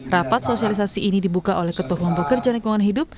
rapat sosialisasi ini dibuka oleh ketua umum pekerja lingkungan hidup